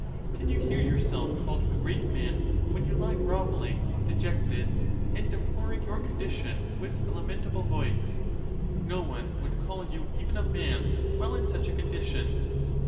Can you hear yourself call ed a great man when you lie grovelling, dejected, and de ploring your condition with a lamentable voice; no one would call you even a man while in such a condition.